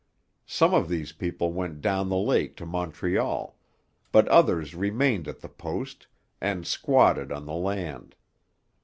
Some of these people went down the lake to Montreal; but others remained at the post, and 'squatted' on the land.